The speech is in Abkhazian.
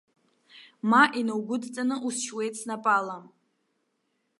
Ма инаугәыдҵаны усшьуеит снапала!